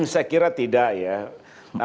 saya kira tidak ya